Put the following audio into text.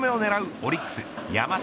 オリックス山崎